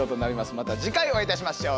また次回お会いいたしましょう！